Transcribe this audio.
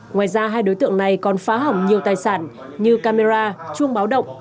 ngoài ra hai đối tượng này còn phá hỏng nhiều tài sản như camera chuông báo động